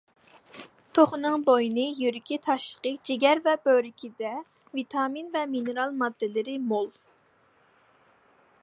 توخۇنىڭ بوينى، يۈرىكى، تاشلىقى، جىگەر ۋە بۆرىكىدە ۋىتامىن ۋە مىنېرال ماددىلار مول.